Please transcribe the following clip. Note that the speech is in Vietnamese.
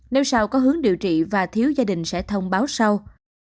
nếu sao có hướng điều trị và thiếu gia đình sẽ thông báo sau